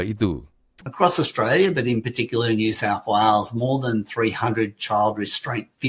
di mana ada sebagian besar komunitas yang tidak berbahasa inggris